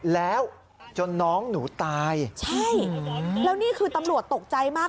แล้วจนน้องหนูตายใช่แล้วนี่คือตำรวจตกใจมาก